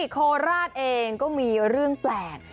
โคราชเองก็มีเรื่องแปลก